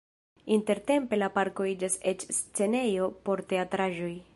Intertempe la parko iĝas eĉ scenejo por teatraĵoj.